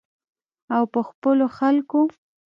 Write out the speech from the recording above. او په خپلو خلکو.